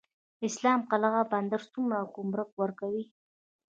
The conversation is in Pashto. اسلام قلعه بندر څومره ګمرک ورکوي؟